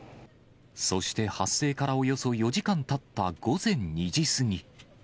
そして発生からおよそ４時間たった午前２時過ぎ。